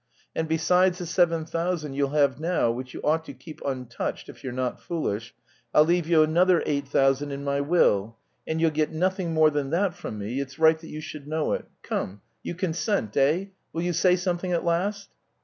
And besides the seven thousand you'll have now, which you ought to keep untouched if you're not foolish, I'll leave you another eight thousand in my will. And you'll get nothing more than that from me, it's right that you should know it. Come, you consent, eh? Will you say something at last?"